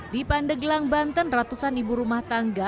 di pandeglang banten ratusan ibu rumah tangga